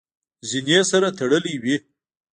زینه سره تړلې وي .